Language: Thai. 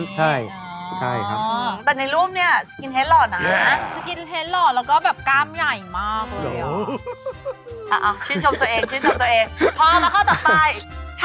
ชิ้นชมตัวเองพร้อมแล้วข้อต่อไป